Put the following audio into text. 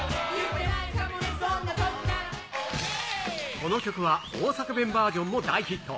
この曲は、大阪弁バージョンも大ヒット。